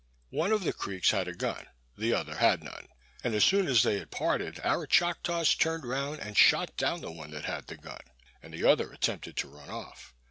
One of the Creeks had a gun, the other had none; and as soon as they had parted, our Choctaws turned round and shot down the one that had the gun, and the other attempted to run off.